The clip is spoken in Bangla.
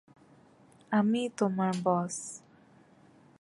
আমিই তোমার বস!